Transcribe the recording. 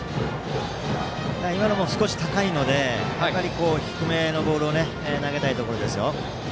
今のも少し高いのでやはり低めのボールを投げたいところです。